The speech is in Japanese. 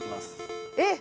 えっ！